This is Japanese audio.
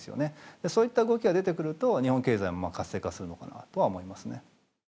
そういった動きが出てくると日本経済も活性化するのかなとは思いますね。